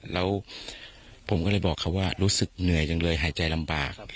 แล้วผมก็เลยบอกเขาว่ารู้สึกเหนื่อยจังเลยหายใจลำบาก